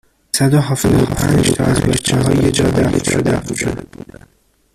صد و هفتاد و پنج تا از بچهها یهجا دفن شده بودن